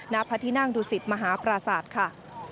ณพัทธินั่งดุศิษฐ์มหาปราศาสตร์ค่ะ